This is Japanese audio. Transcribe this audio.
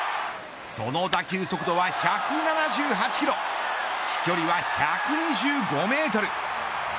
その打球速度は１７８キロ飛距離は１２５メートル。